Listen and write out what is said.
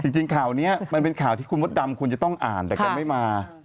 จริงข่าวนี้มันเป็นข่าวที่คุณมดดำควรจะต้องอ่านแต่แกไม่มา